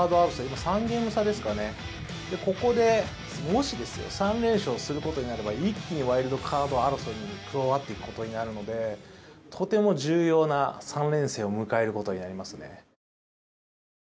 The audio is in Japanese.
今３ゲーム差ですかね、ここでもし３連勝することになれば一気にワイルドカード争いに加わっていくことになるのでとても重要な３連戦を迎えることになりますね。